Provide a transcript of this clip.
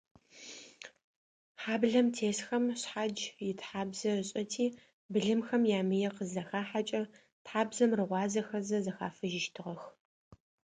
Хьаблэм тесхэм шъхьадж итхьабзэ ышӏэти, былымхэм ямые къызахахьэкӏэ, тхьабзэм рыгъуазэхэзэ зэхафыжьыщтыгъэх.